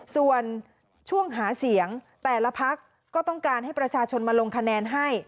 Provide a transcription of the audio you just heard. ส่วนช่วงหาเสียงแต่ละพักก็ต้องการให้ประชาชนมาลงคะแนนให้